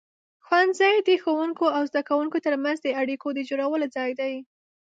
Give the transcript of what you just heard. ښوونځی د ښوونکو او زده کوونکو ترمنځ د اړیکو د جوړولو ځای دی.